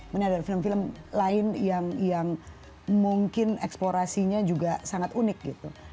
kemudian ada film film lain yang mungkin eksplorasinya juga sangat unik gitu